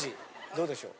どうでしょう？